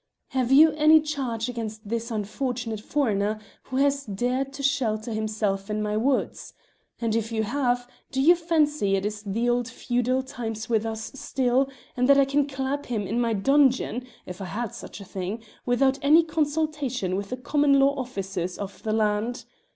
Have you any charge against this unfortunate foreigner who has dared to shelter himself in my woods? And if you have, do you fancy it is the old feudal times with us still, and that I can clap him in my dungeon if I had such a thing without any consultation with the common law officers of the land?